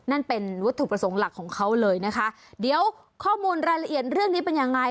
นั่นเป็นวัตถุประสงค์หลักของเขาเลยนะคะเดี๋ยวข้อมูลรายละเอียดเรื่องนี้เป็นยังไง